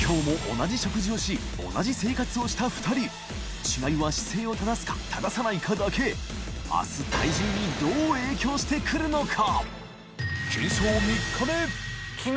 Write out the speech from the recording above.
同じ食事をし韻言験茲鬚靴２人祕磴い姿勢を正すか正さないかだけ磴△体重にどう影響してくるのか？